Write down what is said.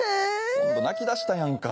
今度泣きだしたやんか。